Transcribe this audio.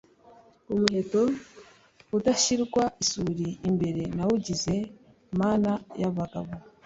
Umuheto udashyirwa isuli imbere, nawugize mana y'abagabo